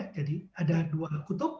jadi ada dua kutub